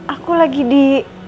aku lagi di